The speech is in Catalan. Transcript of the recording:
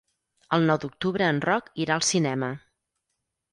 El nou d'octubre en Roc irà al cinema.